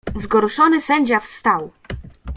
"Zgorszony sędzia wstał."